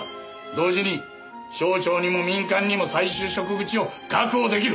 同時に省庁にも民間にも再就職口を確保出来る。